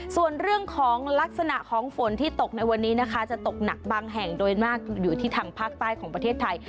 ส่วนเรื่องของลักษณะของฝนที่ตกในวันนี้นะคะจะตกหนักบางแห่งโดยมากอยู่ที่ทางภาคใต้ของประเทศไทย